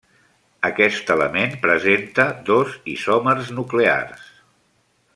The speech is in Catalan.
Aquest element presenta do isòmers nuclears.